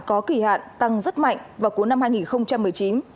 có kỷ hạn tăng rất mạnh